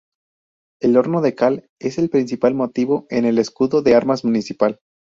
El horno de cal es el principal motivo en el escudo de armas municipal.